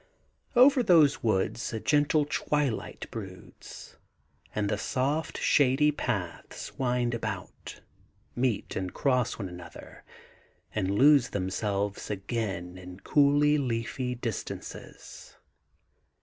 Over those woods a gentle twilight broods, and the soft shady paths wind about, meet and cross one another, and lose themselves again in cool leafy distances.